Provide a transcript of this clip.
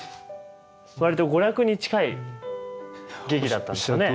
わりと娯楽に近い劇だったんですね。